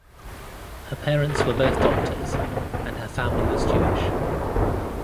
Her parents were both doctors, and her family was Jewish.